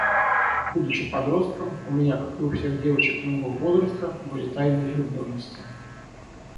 Будучи подростком, у меня как и у всех девочек моего возраста, были тайные влюбленности.